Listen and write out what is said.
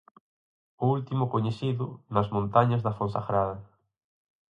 O último coñecido, nas montañas da Fonsagrada.